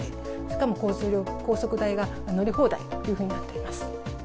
しかも高速代が乗り放題というふうになっております。